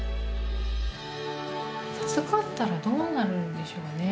授かったらどうなるんでしょうね。